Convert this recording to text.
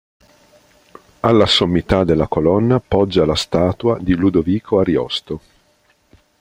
Alla sommità della colonna poggia la statua di Ludovico Ariosto.